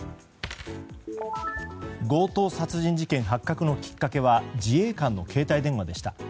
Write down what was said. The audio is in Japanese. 強盗殺人事件発覚のきっかけは自衛官の携帯電話でした。